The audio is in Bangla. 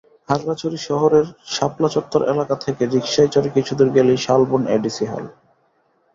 খাগড়াছড়ি শহরের শাপলা চত্বর এলাকা থেকে রিকশায় চড়ে কিছুদূর গেলেই শালবন এডিসি হিল।